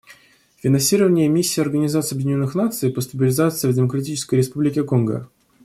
Финансирование Миссии Организации Объединенных Наций по стабилизации в Демократической Республике Конго.